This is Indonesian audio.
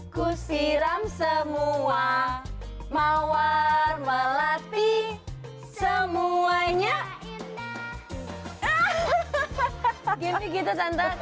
kusiram semua mawar melati semuanya